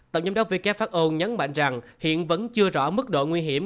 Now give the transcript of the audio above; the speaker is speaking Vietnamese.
tổng giám đốc who nhấn mạnh rằng hiện vẫn chưa rõ mức độ nguy hiểm